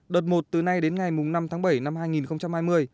đợt một từ nay đến ngày năm tháng bảy năm hai nghìn hai mươi